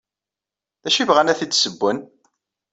D acu ay bɣan ad t-id-ssewwen?